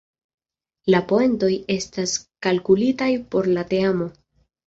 La poentoj estas kalkulitaj por la teamo.